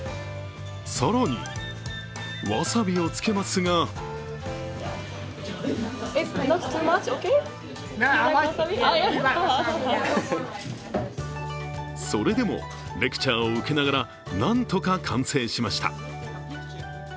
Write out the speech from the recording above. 更にわさびをつけますがそれでもレクチャーを受けながらなんとか完成しました。